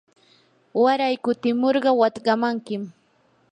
waray kutimurqa watkamankim.